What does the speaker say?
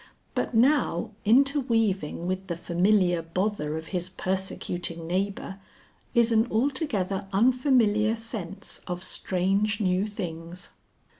But now interweaving with the familiar bother of his persecuting neighbour, is an altogether unfamiliar sense of strange new things.